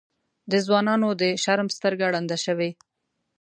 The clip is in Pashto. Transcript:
د ځوانانو د شرم سترګه ړنده شوې.